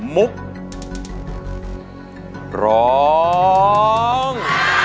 มุกร้อง